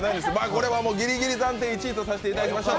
これはギリギリ暫定１位とさせていただきましょう。